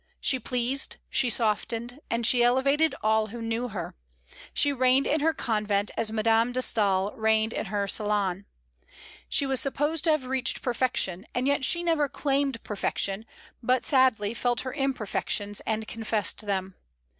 She pleased, she softened, and she elevated all who knew her. She reigned in her convent as Madame de Staël reigned in her salon. She was supposed to have reached perfection; and yet she never claimed perfection, but sadly felt her imperfections, and confessed them.